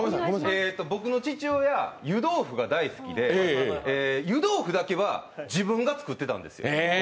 僕の父親、湯豆腐が大好きで湯豆腐だけは自分が作ってたんですよ。